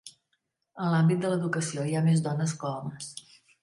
En l'àmbit de l'educació hi ha més dones que homes.